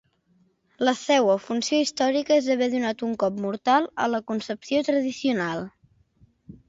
La seua funció històrica és haver donat un cop mortal a la concepció tradicional.